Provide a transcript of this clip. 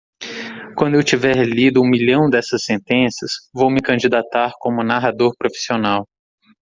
Quando eu tiver lido um milhão dessas sentenças?, vou me candidatar como narrador profissional.